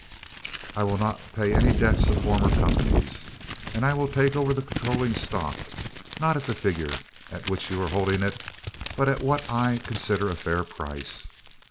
"I will not pay any debts of former companies, and I will take over the controlling stock not at the figure at which you are holding it, but at what I consider a fair price.